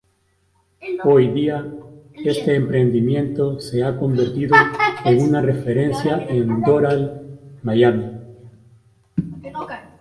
Hoy día, este emprendimiento se ha convertido en una referencia en Doral, Miami.